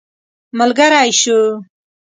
ملګری سو.